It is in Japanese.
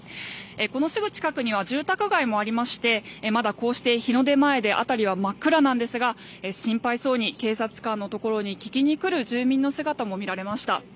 このすぐ近くには住宅街もありましてまだこうして日の出前で辺りは真っ暗ですが心配そうに警察官のところに聞きに来る住民の姿も見られました。